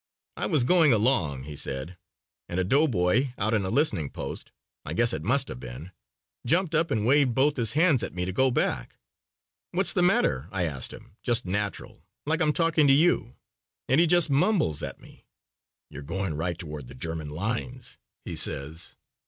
"I was going along," he said, "and a doughboy out in a listening post, I guess it must have been, jumped up and waved both his hands at me to go back. 'What's the matter?' I asked him, just natural, like I'm talking to you, and he just mumbles at me. 'You're going right toward the German lines,' he says.